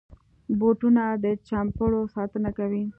بوټونه د چمړو ساتنه کوي.